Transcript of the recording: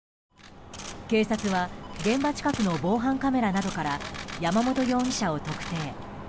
警察は現場近くの防犯カメラなどから山本容疑者を特定。